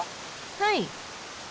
はい。